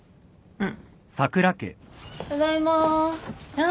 うん。